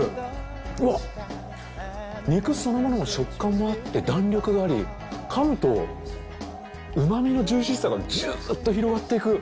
うわっ肉そのものの食感もあって弾力があり噛むと旨みのジューシーさがジューッと広がっていく。